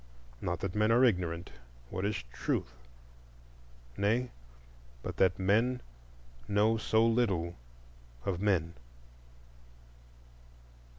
not that men are ignorant,—what is Truth? Nay, but that men know so little of men.